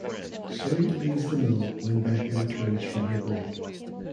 Su leaves The Mill when Becky returns from her break.